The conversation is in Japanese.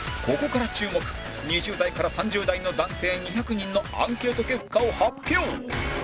ここから注目２０代から３０代の男性２００人のアンケート結果を発表